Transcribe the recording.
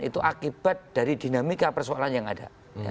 itu akibat dari dinamika persoalan yang ada